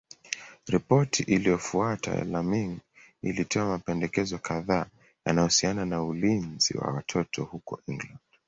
Ripoti iliyofuata ya Laming ilitoa mapendekezo kadhaa yanayohusiana na ulinzi wa watoto huko England.